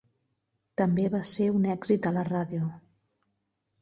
També va ser un èxit a la ràdio.